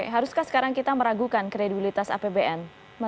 haruskah sekarang kita meragukan kredibilitas apbn